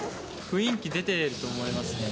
雰囲気出てると思いますね。